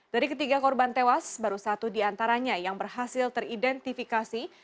dari ketiga korban tewas baru satu di antaranya yang berhasil teridentifikasi